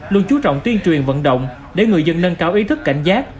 luôn chú trọng tuyên truyền vận động để người dân nâng cao ý thức cảnh giác